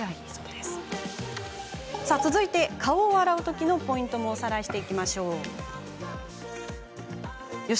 続いて顔を洗うときのポイントもおさらいしていきましょう。